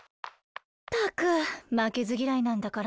ったくまけずぎらいなんだから。